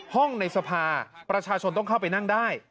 ในสภาประชาชนต้องเข้าไปนั่งได้